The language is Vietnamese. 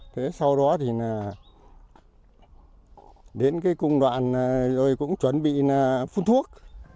thế sau đó thì đến cái cung đoạn rồi cũng chuẩn bị phun thuốc